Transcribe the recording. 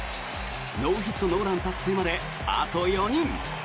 ノーヒット・ノーラン達成まであと４人。